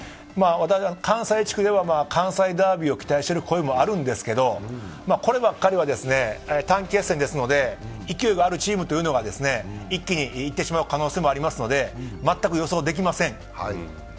関西地区では関西ダービーを期待している声があるんですけどこればっかりは短期決戦ですので勢いのあるチームが一気にいってしまう可能性もありますので全く予想できません。